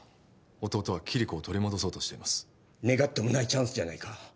弟はキリコを取り戻そうとしています願ってもないチャンスじゃないか